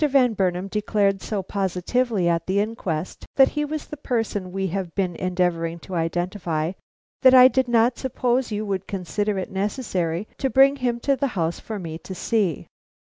Van Burnam declared so positively at the inquest that he was the person we have been endeavoring to identify, that I did not suppose you would consider it necessary to bring him to the house for me to see."